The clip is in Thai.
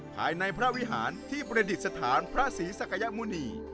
ภายในพระวิหารที่ประดิษฐานพระศรีศักยมุณี